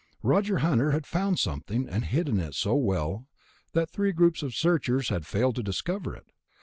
Roger Hunter had found something, and hidden it so well that three groups of searchers had failed to discover it.